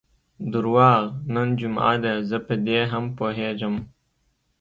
درواغ، نن جمعه ده، زه په دې هم پوهېږم.